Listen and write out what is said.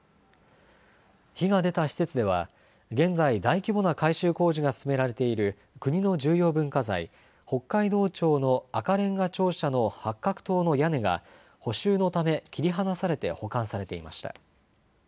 火が出た施設では現在、大規模な改修工事が進められている国の重要文化財、北海道庁の赤れんが庁舎の八角塔の屋根が補修のため切り離されて保管されていました。